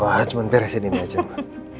wah cuma beresin ini aja pak